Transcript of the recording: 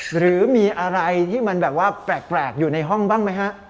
หรือมีอะไรที่มันแบบว่าแปลกอยู่ในห้องบ้างไหมฮะ